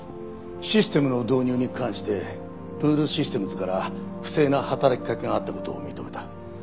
システムの導入に関してブールシステムズから不正な働きかけがあった事を認めた。